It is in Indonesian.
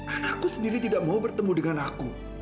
anakku sendiri tidak mau bertemu dengan aku